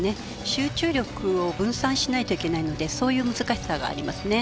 集中力を分散しないといけないのでそういう難しさがありますね。